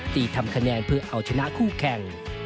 ทำคะแนนเพื่อเอาชนะคู่แข่ง